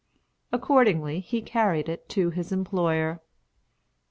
Accordingly he carried it to his employer.